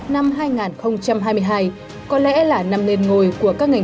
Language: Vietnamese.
năm hai nghìn hai mươi hai có lẽ là năm nền ngồi của các ngành